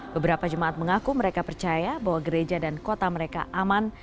beberapa jemaat mengaku mereka percaya bahwa gereja dan kota mereka aman